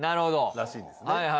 らしいんですね。